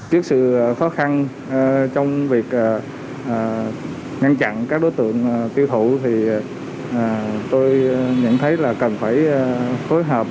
trước sự khó khăn trong việc ngăn chặn các đối tượng tiêu thụ thì tôi nhận thấy là cần phải phối hợp